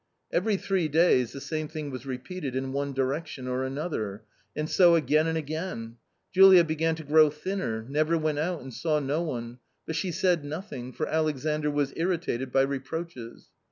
Every three days, the same thing was repeated in one direction or another. And so again and again. Julia began to grow thinner, never went out and saw no one, but she said nothing, for Alexandr was irritated by reproaches.